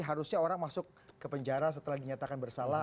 harusnya orang masuk ke penjara setelah dinyatakan bersalah